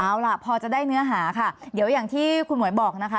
เอาล่ะพอจะได้เนื้อหาค่ะเดี๋ยวอย่างที่คุณหมวยบอกนะคะ